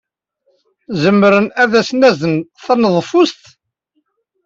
Zemren ad asen-aznen taneḍfust?